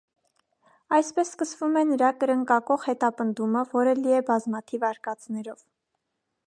Այսպես սկսվում է նրա «կրնկակոխ հետապնդումը», որը լի է բազմաթիվ արկածներով։